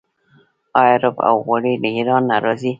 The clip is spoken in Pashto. آیا رب او غوړي له ایران نه راځي؟